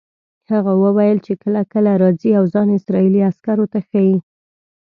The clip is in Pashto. هغه وویل چې کله کله راځي او ځان اسرائیلي عسکرو ته ښیي.